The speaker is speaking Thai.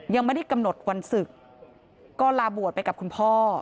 ยังไม่ได้กำหนดวันศึกก็ลาบวชไปกับคุณพ่อ